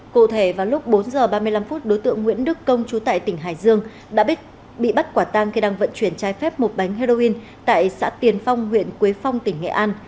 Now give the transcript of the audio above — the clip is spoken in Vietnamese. cụ thể vào lúc bốn h ba mươi năm phút đối tượng nguyễn đức công chú tại tỉnh hải dương đã bị bắt quả tang khi đang vận chuyển trái phép một bánh heroin tại xã tiền phong huyện quế phong tỉnh nghệ an